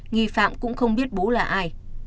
nghi phạm cũng không biết bố là ai